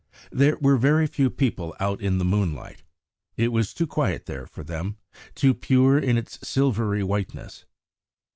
There were very few people out in the moonlight. It was too quiet there for them, too pure in its silvery whiteness.